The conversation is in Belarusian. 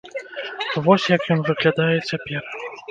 Вось як ён выглядае цяпер.